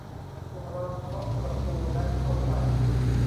พวกเราเคาะประตู และเข้าไป